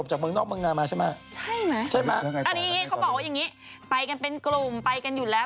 อันนั้นมั๊ยรอเธอมันในพี่มีมั๊ยรอหล่อเลย